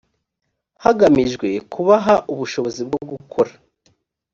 hagamijwe kubaha ubushobozi bwo gukora